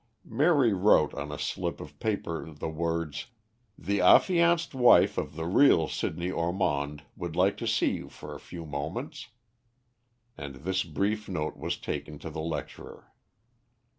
Mary wrote on a slip of paper the words, "The affianced wife of the real Sidney Ormond would like to see you for a few moments," and this brief note was taken in to the lecturer.